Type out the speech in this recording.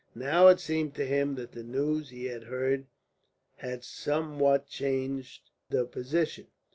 Now, it seemed to him that the news he had heard had somewhat changed the position.